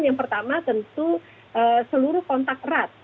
yang pertama tentu seluruh kontak erat